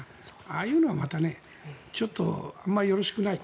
ああいうのはねちょっとあまりよろしくない。